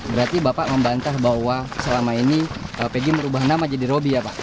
berarti bapak membantah bahwa selama ini pegi merubah nama jadi robby ya pak